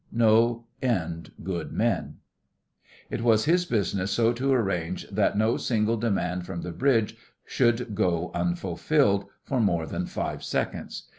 'NO END GOOD MEN' It was his business so to arrange that no single demand from the bridge should go unfulfilled for more than five seconds.